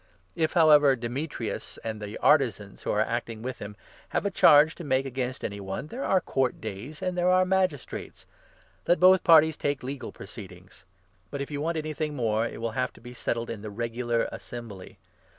If, however, Demetrius and the 38 artisans who are acting with him have a charge to make against any one, there are Court Days and there are Magis trates ; let both parties take legal proceedings. But if you 39 want anything more, it will have to be settled in the regular Assembly.